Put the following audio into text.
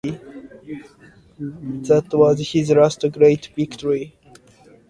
That was his last great victory.